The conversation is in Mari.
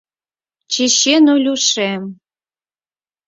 Чечен Олюшем!